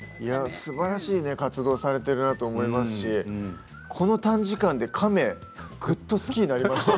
すばらしい活動をされているなと思いますしこの短時間で亀がぐっと好きになりました。